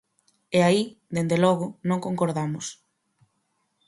E aí, dende logo, non concordamos.